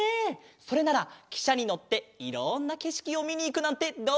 それならきしゃにのっていろんなけしきをみにいくなんてどう？